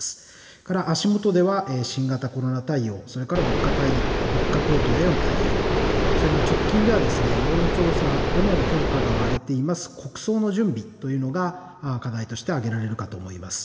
それから足元では、新型コロナ対応、それから物価高騰への対応、それに直近では、世論調査でも評価が割れています、国葬の準備というのが課題として挙げられるかと思います。